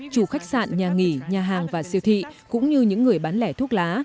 chủ khách sạn nhà nghỉ nhà hàng và siêu thị cũng như những người bán lẻ thuốc lá